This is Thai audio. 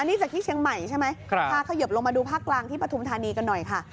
นี่จากที่เชียงใหม่ใช่ไหมพาเขยิบลงมาดูภาคกลางที่ปฐุมธานีกันหน่อยค่ะ